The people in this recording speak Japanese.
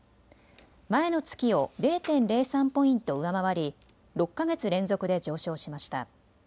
前の月を０．０３ポイント上回り６か月連続で上昇しました。